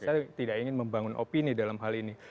saya tidak ingin membangun opini dalam hal ini